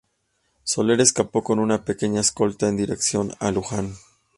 Soler escapó con una pequeña escolta en dirección a Luján.